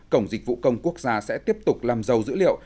cổng dịch vụ công quốc gia sẽ tiếp tục làm giàu dữ liệu